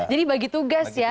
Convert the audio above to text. jadi bagi tugas ya